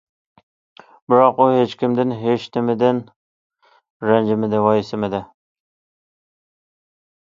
بىراق، ئۇ ھېچكىمدىن، ھېچنېمىدىن رەنجىمىدى، ۋايسىمىدى.